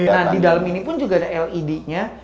nah di dalam ini pun juga ada led nya